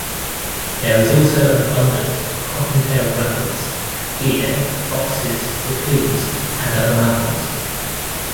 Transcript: There is also an abundance of cotton-tailed rabbits, deer, foxes, raccoons, and other mammals.